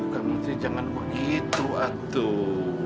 kak menteri jangan begitu atuh